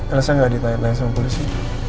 elosa gak ditanya tanya sama polisi